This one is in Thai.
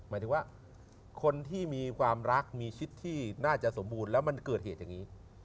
หมายถึงว่าคนที่มีความรักมีชิดที่น่าจะสมบูรณ์แล้วมันเกิดเหตุอย่างนี้